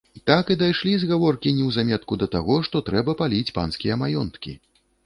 Так і дайшлі з гаворкі неўзаметку да таго, што трэба паліць панскія маёнткі.